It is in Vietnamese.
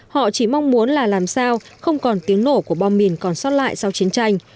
họ chỉ mong muốn là làm sao không còn tiếng nổ của bom mìn còn sót lại sau chiến tranh